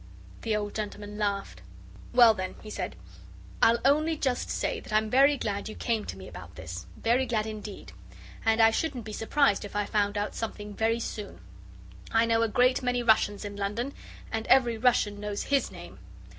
The old gentleman laughed. "Well, then," he said, "I'll only just say that I'm very glad you came to me about this very glad, indeed. And I shouldn't be surprised if I found out something very soon. I know a great many Russians in London, and every Russian knows HIS name.